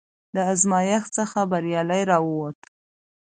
د ازمېښت څخه بریالی راووت،